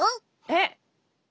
えっ！